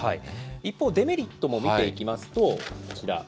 一方、デメリットも見ていきますと、こちら。